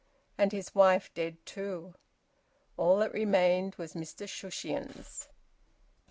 And his wife dead too! All that remained was Mr Shushions.